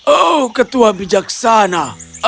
oh ketua bijaksana